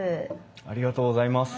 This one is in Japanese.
ありがとうございます。